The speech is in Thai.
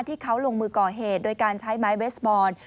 ที่เขาลงมือก่อเหตุโดยการใช้ไม้เบสบอล